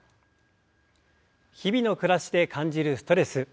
日々の暮らしで感じるストレス。